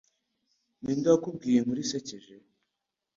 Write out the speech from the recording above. Ninde wakubwiye inkuru isekeje?